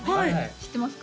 知ってますか？